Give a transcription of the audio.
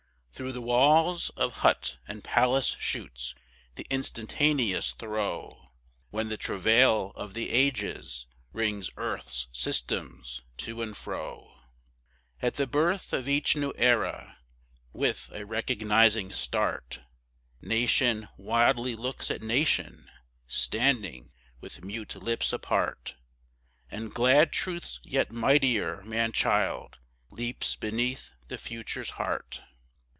Through the walls of hut and palace shoots the instantaneous throe, When the travail of the Ages wrings earth's systems to and fro; At the birth of each new Era, with a recognizing start, Nation wildly looks at nation, standing with mute lips apart, And glad Truth's yet mightier man child leaps beneath the Future's heart.